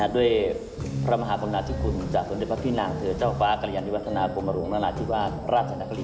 ด้วยพระมหากลมนาธิคุณจากสวรรค์พระพี่นางเถอะเจ้าฟ้ากรยันติวัฒนากลมรุงราชิวารราชนคริสต์